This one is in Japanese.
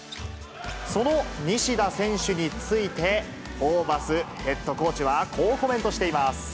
その西田選手について、ホーバスヘッドコーチは、こうコメントしています。